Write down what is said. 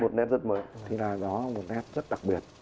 thì nó là một nét rất đặc biệt